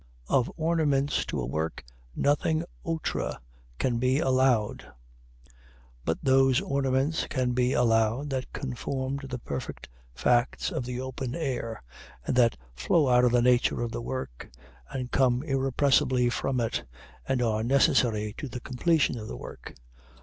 Of ornaments to a work nothing outre can be allow'd but those ornaments can be allow'd that conform to the perfect facts of the open air, and that flow out of the nature of the work, and come irrepressibly from it, and are necessary to the completion of the work.